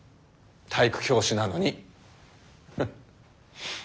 体育教師なのに。